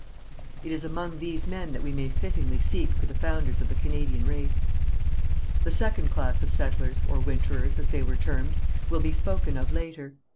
It is among these men that we may fittingly seek for the founders of the Canadian race. The second class of settlers, or winterers, as they were termed, will be spoken of later.